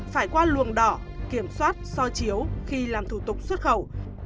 phải qua luồng đỏ kiểm soát so chiếu khi làm thủ tục xuất khẩu